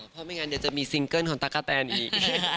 เพราะไม่งั้นเดี๋ยวจะมีซิงเกิ้ลของตั๊กกะแตนอีก